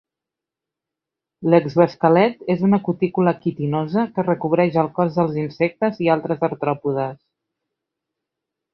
L'exoesquelet és una cutícula quitinosa que recobreix el cos dels insectes i altres artròpodes.